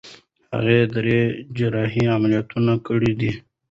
هغې درې جراحي عملیاتونه کړي دي.